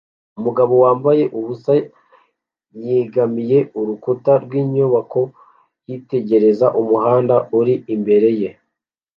Umugabo wambaye ubusa yegamiye urukuta rw'inyubako yitegereza umuhanda uri imbere ye